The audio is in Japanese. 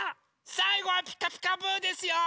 さいごは「ピカピカブ！」ですよ！